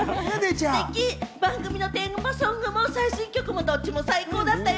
番組のテーマソングも最新曲もどっちも最高だったよ。